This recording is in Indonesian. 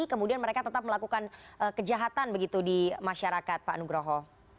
kemudian mereka tetap melakukan kejahatan begitu di masyarakat pak nugroho